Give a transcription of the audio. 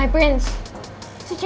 acara yang sama